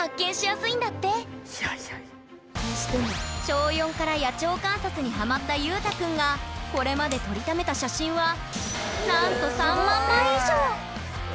小４から野鳥観察にハマったゆうたくんがこれまで撮りためた写真はなんと３万枚以上！